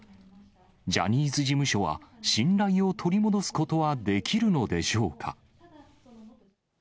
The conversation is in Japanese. ジャニーズ事務所は信頼を取り戻すことはできるのでしょうか。